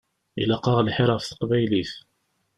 Ilaq-aɣ lḥir ɣef teqbaylit.